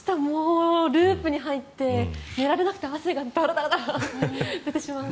ループに入って寝られなくて汗がダラダラと出てしまうので。